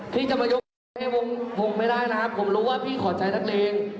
พี่จะมายกในวงผมไม่ได้นะครับผมรู้ว่าพี่ขอใจนักเลง